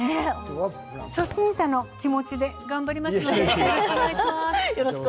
初心者の気持ちで頑張りますのでよろしくお願いします。